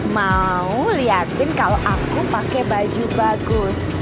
mau liatin kalau aku pakai baju bagus